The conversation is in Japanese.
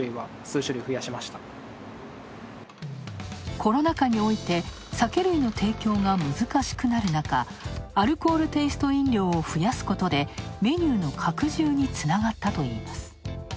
コロナ禍において、酒類の提供が難しくなる中、アルコールテイスト飲料を増やすことでメニューの拡充につながったといいます。